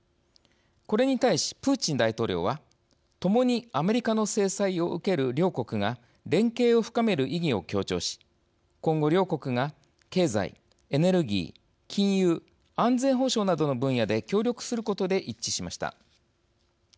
これに対し、プーチン大統領はともにアメリカの制裁を受ける両国が連携を深める意義を強調し今後、両国が経済、エネルギー、金融安全保障などの分野で協力することで一致しました。